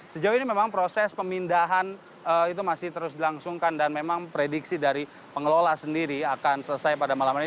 sejauh ini memang proses pemindahan itu masih terus dilangsungkan dan memang prediksi dari pengelola sendiri akan selesai pada malam ini